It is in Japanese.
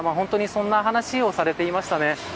そんな話をされていましたね。